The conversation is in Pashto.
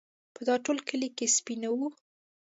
په دا ټول کلي کې سپی نه و.